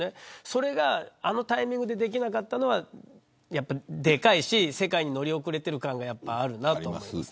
それがあのタイミングでできなかったのはでかいし世界に乗り遅れている感があるなと思います。